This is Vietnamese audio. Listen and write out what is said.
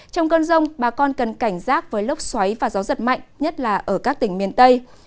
trong cơn rông bà con cần cảnh giác với lốc xoáy và gió giật mạnh nhất là ở các tỉnh miền tây